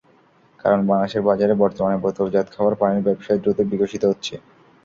কারণ বাংলাদেশের বাজারে বর্তমানে বোতলজাত খাবার পানির ব্যবসায় দ্রুত বিকশিত হচ্ছে।